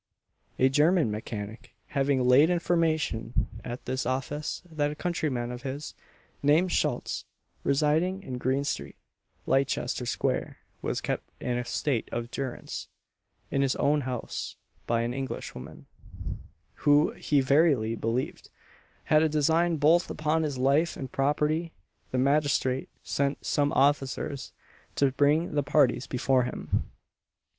A German mechanic having laid information at this office that a countryman of his, named Schultz, residing in Green Street, Leicester Square, was kept in a state of durance, in his own house, by an Englishwoman, who, he verily believed, had a design both upon his life and property, the magistrate sent some officers to bring the parties before him.